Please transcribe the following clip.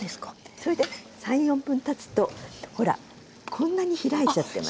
それで３４分たつとほらこんなに開いちゃってます。